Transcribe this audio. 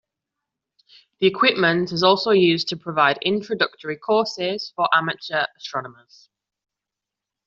The equipment is also used to provide introductory courses for amateur astronomers.